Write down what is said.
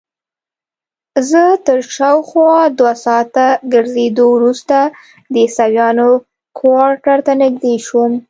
زه تر شاوخوا دوه ساعته ګرځېدو وروسته د عیسویانو کوارټر ته نږدې شوم.